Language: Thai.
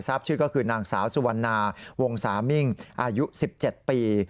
ชื่อก็คือนางสาวสุวรรณาวงสามิ่งอายุ๑๗ปี